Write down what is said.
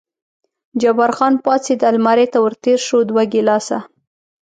جبار خان پاڅېد، المارۍ ته ور تېر شو، دوه ګیلاسه.